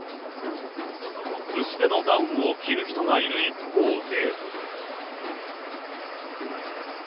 薄手のダウンを着る人がいる一方で。